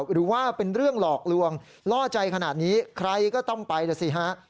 หรือว่าเป็นเรื่องหลอกลวงล่อใจขนาดนี้ใครก็ต้องไปนะสิฮะ